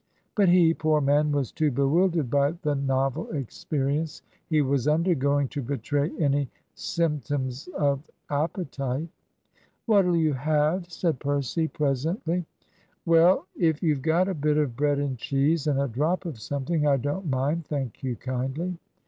But he, poor man, was too bewildered by the novel experience he was undergoing to betray any symptoms of appetite. "What'll you have?" said Percy, presently. "Well, if you've got a bit of bread and cheese and a drop of something, I don't mind, thank you kindly."